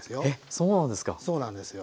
そうなんですよ。